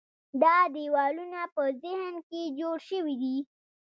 دا دیوالونه په ذهن کې جوړ شوي دي.